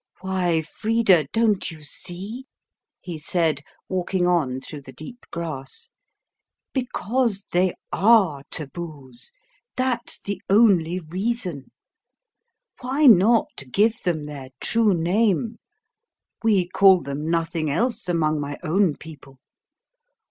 "Why, Frida, don't you see?" he said, walking on through the deep grass. "Because they ARE taboos; that's the only reason. Why not give them their true name? We call them nothing else among my own people.